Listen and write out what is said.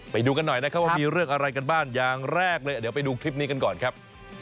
ไปดูกันหน่อยนะครับว่ามีเรื่องอะไรกันบ้างอย่างแรกเลยเดี๋ยวไปดูคลิปนี้กันก่อนครับ